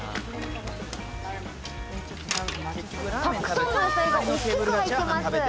たくさんの野菜が大きく入ってます。